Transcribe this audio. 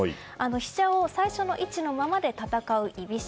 飛車を最初の位置のままで戦う居飛車